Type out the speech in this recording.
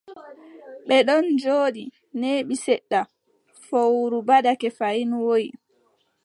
Ɓe ɗon njooɗi, neeɓi seɗɗa, fowru ɓadake fayin, woyi.